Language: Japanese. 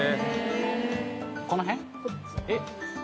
この辺？